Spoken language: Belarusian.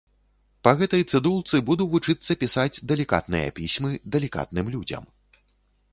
Па гэтай цыдулцы буду вучыцца пісаць далікатныя пісьмы далікатным людзям.